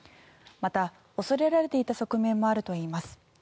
また、恐れられていた側面もあるといいます。